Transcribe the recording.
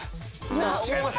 違います。